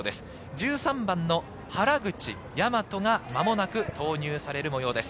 １３番の原口和が間もなく投入される模様です。